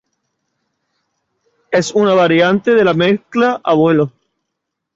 Es una variante de la mezcla a vuelo.